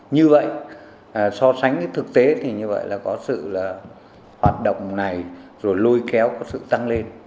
như vậy so sánh với thực tế thì như vậy là có sự là hoạt động này rồi lôi kéo có sự tăng lên